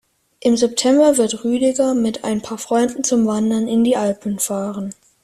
Im September wird Rüdiger mit ein paar Freunden zum Wandern in die Alpen fahren.